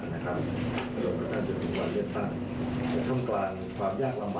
หลังจากเราก็เลยแสดงป๋อใจให้ที่ชุดต่อไปนะครับ